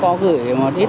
các bác sĩ đã góp sức